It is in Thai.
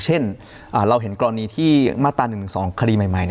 เช่นเราเห็นกรณีที่มาตรา๑๑๒คดีใหม่